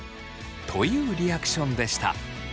というリアクションでした。